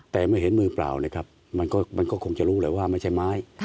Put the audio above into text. แต่เมื่อเห็นมือเปล่านะครับมันก็คงจะรู้แหละว่าไม่ใช่ไม้